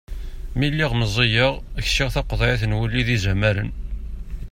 Mi lliɣ meẓẓiyeɣ, ksiɣ taqeḍɛit n wulli d yizamaren.